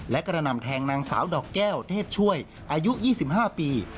และกระหน่ำแทงนางสาวดอกแก้วเทพช่วยอายุ๒๕ปี